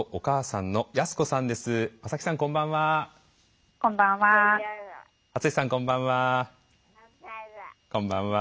篤さんこんばんは。